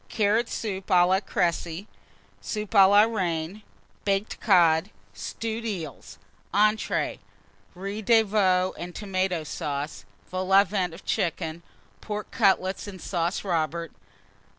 Carrot Soup à la Créci. Soup à la Reine. Baked Cod. Stewed Eels. ENTREES. Riz de Veau and Tomata Sauce. Vol au Vent of Chicken. Pork Cutlets and Sauce Robert.